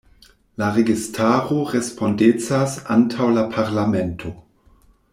La registaro respondecas antaŭ la parlamento.